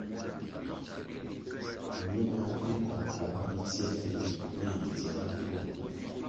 Numa bicompanʼ bitsiē bili ye yi dziē ma gobina.